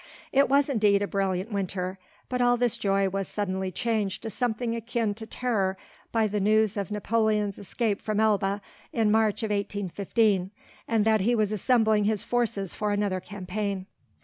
It was indeed a brilliant winter, but all this joy was suddenly changed to something akin to terror by the news of Napoleon's escape from Elba in March of 1815, and that he was assembling his forces for another campaign.